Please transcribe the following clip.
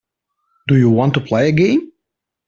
Do you want to play a game.